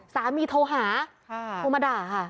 สามีโทรหาโทรมาด่า